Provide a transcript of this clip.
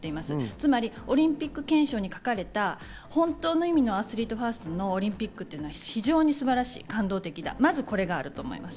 つまりオリンピック憲章に書かれた本当の意味のアスリートファーストのオリンピックというのは非常に素晴らしい、感動的だ、まずこれがあると思います。